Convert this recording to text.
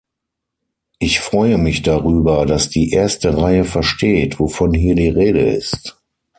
Ich freue mich darüber, dass die erste Reihe versteht, wovon hier die Rede ist.